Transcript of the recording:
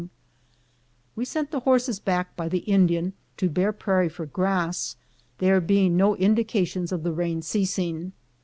We sent the horses back by the Indian to Bear Prairie for grass, there being no indications of the rain ceasing.